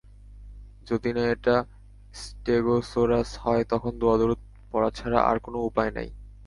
যদি না এটা স্টেগোসোরাস হয়, তখন দোয়া-দরুদ পড়া ছাড়া আর কোনো উপায় নাই।